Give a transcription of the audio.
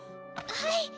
はい。